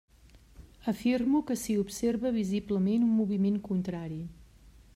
Afirmo que s'hi observa visiblement un moviment contrari.